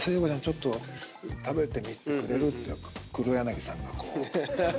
ちょっと食べてみてくれる？」って黒柳さんがこう。